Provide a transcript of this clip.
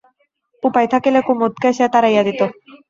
উপায় থাকিলে কুমুদকে সে তাড়াইয়া দিত।